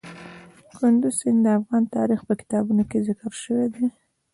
کندز سیند د افغان تاریخ په کتابونو کې ذکر شوی دي.